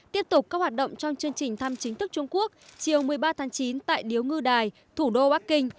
tiếp tục các hoạt động trong chương trình thăm chính thức trung quốc chiều một mươi ba tháng chín tại điếu ngư đài thủ đô bắc kinh